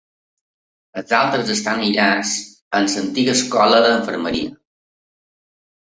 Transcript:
Els altres estan aïllats en l’antiga escola d’infermeria.